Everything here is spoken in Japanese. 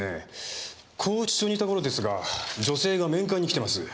拘置所にいた頃ですが女性が面会に来てます。